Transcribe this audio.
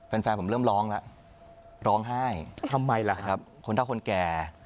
แฟนแฟนผมเริ่มร้องแล้วร้องไห้ทำไมล่ะครับคนเท่าคนแก่